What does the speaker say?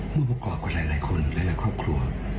มือบกรอบกว่าหลายคนหลายครอบครัว